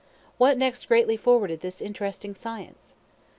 What next greatly forwarded this interesting science?